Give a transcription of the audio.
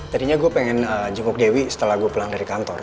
tadinya gue pengen jenguk dewi setelah gue pulang dari kantor